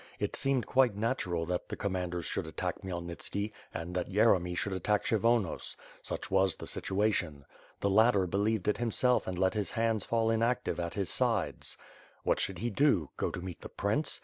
It seemed quite natural that the commanders should attack Khmyel nitski and that Yeremy should attack Kshyvonos; such was the situation. The latter believed it himself and let his hands fall inactive at his sides. What should he do? Go to meet the prince?